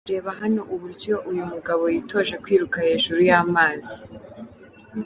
Reba hano uburyo uyu mugabo yitoje kwiruka hejuru y'amazi.